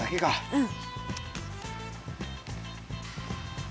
うん？